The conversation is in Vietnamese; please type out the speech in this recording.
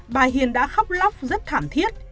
bà hiền đã khóc lóc rất thảm thiết